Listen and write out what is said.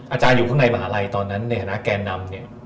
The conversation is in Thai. อาจารย์อยู่ข้างในมหาลัยเท่านั้นในสถานการณ์แกนำ